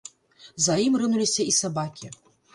За ім рынуліся і сабакі.